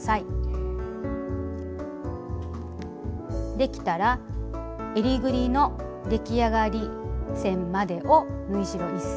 できたらえりぐりの出来上がり線までを縫い代１ｃｍで縫います。